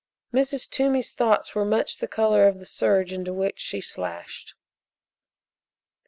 Mrs. Toomey's thoughts were much the color of the serge into which she slashed.